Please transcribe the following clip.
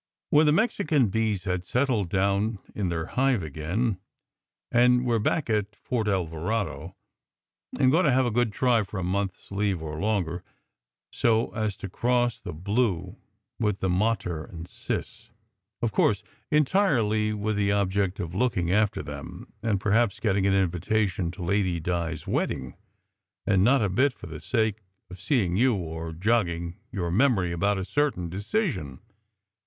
"When the Mexican bees have settled down in their hive again, and we re back at Fort Alvarado, I m going to have a good try for a month s leave or longer, so as to cross the blue with the mater and sis. Of course, entirely with the object of looking after them, and perhaps getting an invitation to Lady Di s wedding, and not a bit for the sake of seeing you or jogging your memory SECRET HISTORY 175 about a certain decision!